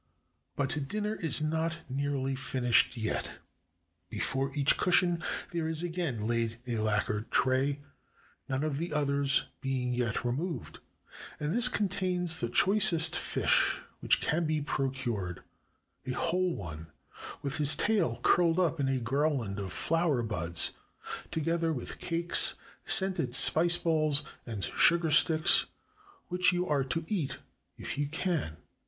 But dirmer is not nearly finished yet. Before each cushion there is again laid a lacquered tray — none of the others being yet removed — and this contains the choicest fish which can be procured — a whole one — with his tail curled up in a garland of flower buds, together with cakes, scented spice balls, and sugar sticks, which you are to eat if you can.